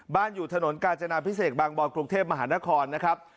อยู่ถนนกาญจนาพิเศษบางบอนกรุงเทพมหานครนะครับ